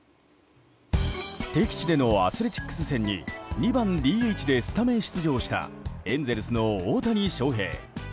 敵地でのアスレチックス戦に２番ＤＨでスタメン出場したエンゼルスの大谷翔平。